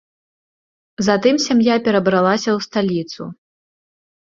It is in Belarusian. Затым сям'я перабралася ў сталіцу.